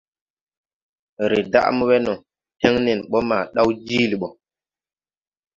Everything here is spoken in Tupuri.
Rɛɛ daʼ mo wɛ no, tɛn nɛn bɔ ma daw jiili bɔ.